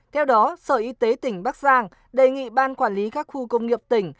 theo đó sở y tế tỉnh bắc giang đề nghị ban quản lý các khu công nghiệp tỉnh